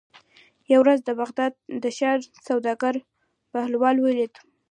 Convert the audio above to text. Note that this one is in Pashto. یوه ورځ د بغداد د ښار سوداګر بهلول ولید.